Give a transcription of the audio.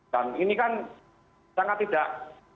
dan ini kan sangat tidak